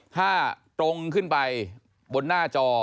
ถ้าตรงขึ้นไปบนหน้าจอ